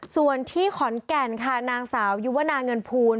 ส่วนที่ขอนแก่นค่ะนางสาวยุวนาเงินภูล